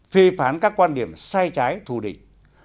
phê phán các quan điểm sai trái thù địch